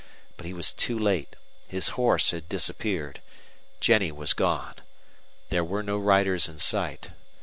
But he was too late. His horse had disappeared. Jennie was gone. There were no riders in sight.